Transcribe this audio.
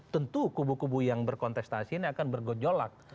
tentu kubu kubu yang berkontestasi ini akan bergojolak